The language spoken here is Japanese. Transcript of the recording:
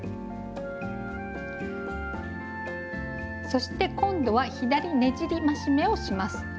そして今度は「左ねじり増し目」をします。